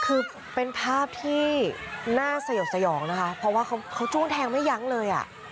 คือเป็นภาพที่น่าสยบสยองนะคะเพราะว่าเขาจ้วงแทงไม่ยั้งเลยอ่ะ